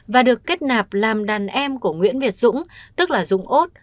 và được kết nạp làm đàn em của nguyễn việt dũng tức là dũng út